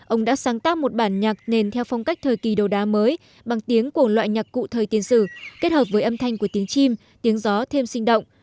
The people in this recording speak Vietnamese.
ông đã sáng tác một bản nhạc nền theo phong cách thời kỳ đầu đá mới bằng tiếng của loại nhạc cụ thời tiền sử kết hợp với âm thanh của tiếng chim tiếng gió thêm sinh động